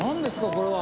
これは。